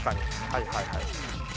はいはいはい。ＯＫ！